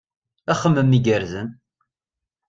Axemmem igerrzen!